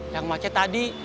yang macet tadi